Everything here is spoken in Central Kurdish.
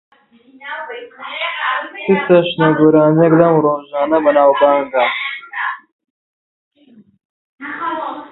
چ چەشنە گۆرانییەک لەم ڕۆژانە بەناوبانگە؟